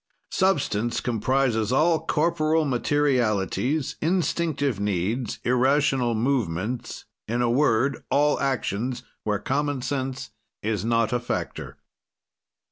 "Substance comprises all corporal materialities: instinctive needs, irrational movements, in a word, all actions where common sense is not a factor.